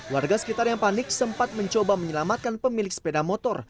warga sekitar yang panik sempat mencoba menyelamatkan pemilik sepeda motor